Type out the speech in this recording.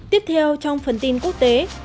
tiếp theo trong phần tin quốc tế